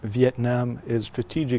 việt nam truyền thống lực